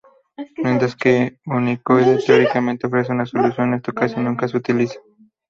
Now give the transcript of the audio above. Mientras que Unicode teóricamente ofrece una solución, esto casi nunca se utiliza.